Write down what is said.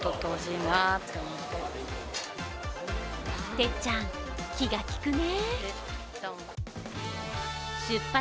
てっちゃん、気が利くね。